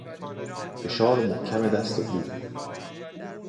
فشار محکم دست او